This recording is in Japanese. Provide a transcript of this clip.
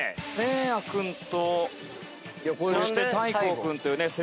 嶺亜君とそして大光君というね